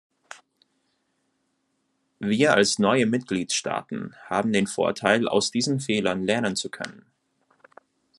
Wir als neue Mitgliedstaaten haben den Vorteil, aus diesen Fehlern lernen zu können.